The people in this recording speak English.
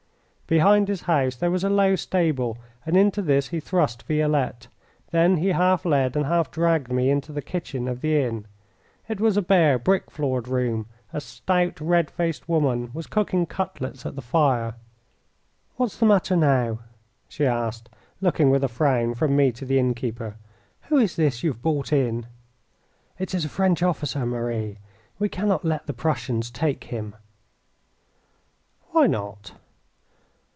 Behind his house there was a low stable, and into this he thrust Violette. Then he half led and half dragged me into the kitchen of the inn. It was a bare, brick floored room. A stout, red faced woman was cooking cutlets at the fire. "What's the matter now?" she asked, looking with a frown from me to the innkeeper. "Who is this you have brought in?" "It is a French officer, Marie. We cannot let the Prussians take him." "Why not?"